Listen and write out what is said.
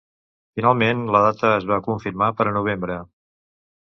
Finalment la data es va confirmar per a novembre.